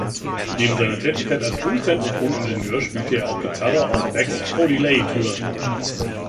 Neben seiner Tätigkeit als Produzent und Toningenieur spielte er auch Gitarre auf Becks "Odelay"-Tour.